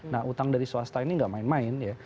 nah utang dari swasta ini gak main main ya